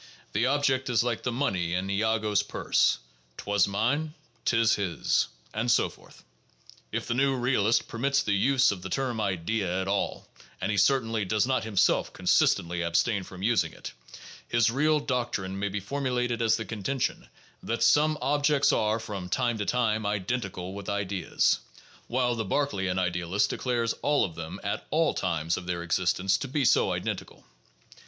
The object is like the money in Iago's purse; " 'twas mine, 'tis his," and so forth. If the new real ist permits the use of the term "idea" at all — and he certainly does not himself consistently abstain from using it — his real doctrine may be formulated as the contention that some objects are from time to time identical with ideas; while the Berkeleian idealist de clares all of them at all times of their existence to be so identical.